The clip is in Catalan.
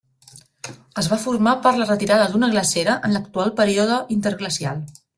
Es va formar per la retirada d'una glacera en l'actual període interglacial.